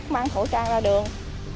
mang khẩu trang ra đường